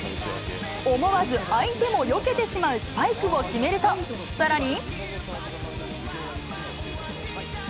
思わず相手もよけてしまうスパイクを決めると、さらに。